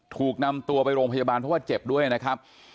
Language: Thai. ถูกนำตัวไปโรงพยาบาลเพราะว่าเจ็บด้วยนะครับ